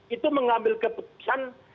itu mengambil keputusan